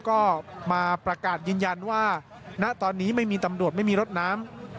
ก็มาประกาศยืนยันว่าณตอนนี้ไม่มีตำรวจไม่มีรถน้ำ